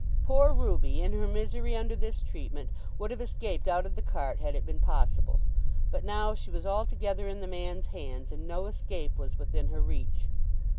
Poor Ruby, in her misery under this treatment, would have escaped out of the cart had it been possible. But now she was altogether in the man's hands and no escape was within her reach.